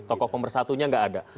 tokoh pembersatunya enggak ada